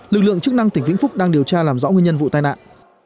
lực lượng chức năng tỉnh vĩnh phúc đang điều tra làm rõ nguyên nhân vụ tai nạn